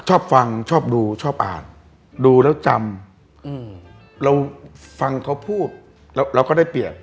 ชอบฟังชอบดูชอบอ่านดูแล้วจำเราฟังเขาพูดแล้วเราก็ได้เปรียบ